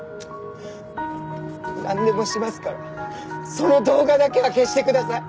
なんでもしますからその動画だけは消してください。